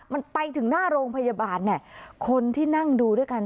มันไปถึงหน้าโรงพยาบาลเนี่ยคนที่นั่งดูด้วยกัน